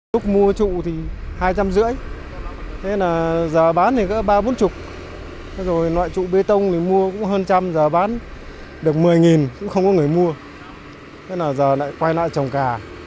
lúc mua trụ thì hai trăm linh rưỡi thế là giờ bán thì có ba bốn mươi rồi loại trụ bê tông thì mua cũng hơn trăm giờ bán được một mươi cũng không có người mua thế là giờ lại quay lại trồng cà